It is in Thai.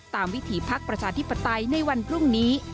วิถีพักประชาธิปไตยในวันพรุ่งนี้